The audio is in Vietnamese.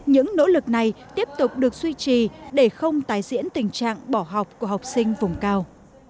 những nỗ lực này tiếp tục được duy trì để không tái diễn tình trạng bỏ học của học sinh vùng cao